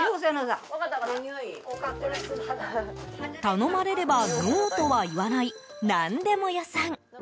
頼まれれば、ノーとは言わない何でも屋さん。